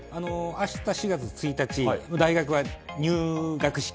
明日、４月１日大学は入学式。